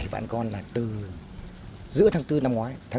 bảy vạn con là từ giữa tháng bốn năm ngoái